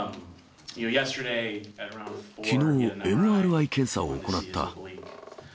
きのう、ＭＲＩ検査を行った。